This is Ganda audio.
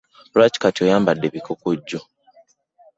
Lwaki kati oyambadde bikukujju?